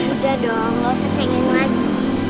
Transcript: udah dong gak usah dingin lagi